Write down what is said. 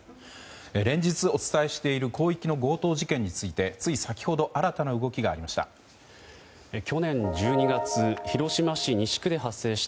連日お伝えしている広域の強盗事件についてつい先ほど新たな動きがありました。